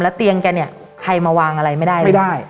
และเตียงแกนี่ใครมาวางอะไรไม่ได้